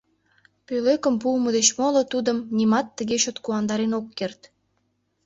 Пӧлекым пуымо деч моло тудым нимат тыге чот куандарен ок керт.